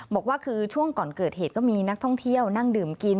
บอกว่าคือช่วงก่อนเกิดเหตุก็มีนักท่องเที่ยวนั่งดื่มกิน